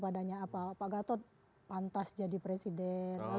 apa gatot pantas jadi presiden